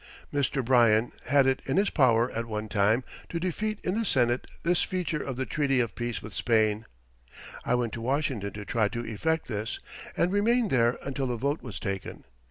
Mr. Bryan had it in his power at one time to defeat in the Senate this feature of the Treaty of Peace with Spain. I went to Washington to try to effect this, and remained there until the vote was taken.